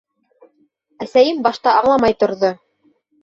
Әсәйем башта аңламай торҙо: